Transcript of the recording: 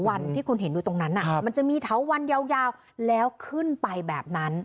วันที่คุณเห็นอยู่ตรงนั้นมันจะมีเถาวันยาวแล้วขึ้นไปแบบนั้น